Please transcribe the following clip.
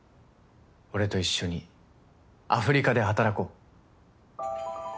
俺と一緒にアフリカで働こう。